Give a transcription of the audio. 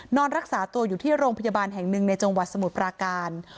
นอนรักษาตัวอยู่ที่โรงพยาบาลแห่งหนึ่งในจังหวัดสมุทรปราการ